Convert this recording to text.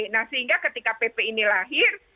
nah sehingga ketika pp ini lahir